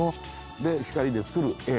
で光で作る画。